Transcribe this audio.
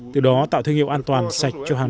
từ đó tạo thương hiệu an toàn sạch cho hàng